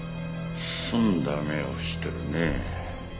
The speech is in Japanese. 澄んだ目をしてるね。